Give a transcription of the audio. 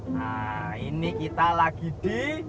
nah ini kita lagi di